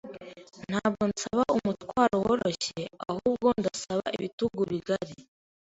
Ntabwo nsaba umutwaro woroshye, ahubwo ndasaba ibitugu bigari.